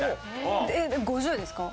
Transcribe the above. えっ５０ですか？